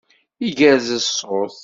Igerrez ṣṣut.